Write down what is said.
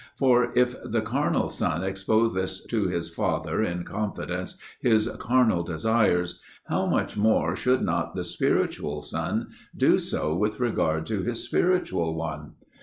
For, if the carnal son exposeth to his father, in confidence, his carnal desires, how much more should not the spiritual son do so with regard to his spiritual one?